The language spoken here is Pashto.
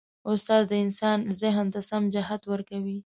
استاد د انسان ذهن ته سم جهت ورکوي.